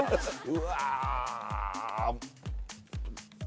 うわ